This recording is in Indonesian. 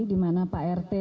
di mana pak rt